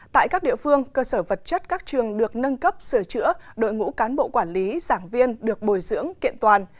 tại các địa phương cơ sở vật chất các trường được nâng cấp sửa chữa đội ngũ cán bộ quản lý giảng viên được bồi dưỡng kiện toàn